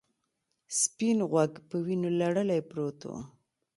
سپین غوږ په وینو لړلی پروت و.